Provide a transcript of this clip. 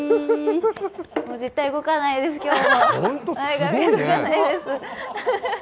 もう絶対動かないです、今日も。